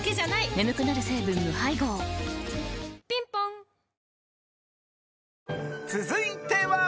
眠くなる成分無配合ぴんぽん続いては。